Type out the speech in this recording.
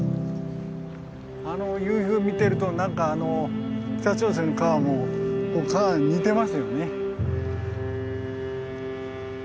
あの夕日を見てるとなんかあの北朝鮮の川も似てますよね。